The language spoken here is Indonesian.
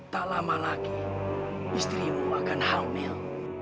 tak lama lagi istrimu akan hamil